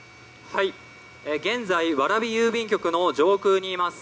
現在、蕨郵便局の上空にいます。